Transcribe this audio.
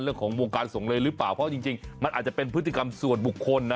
เรื่องของการส่งเลยหรือเปล่าเพราะจริงมันอาจจะเป็นพฤติกรรมส่วนบุคคลนะ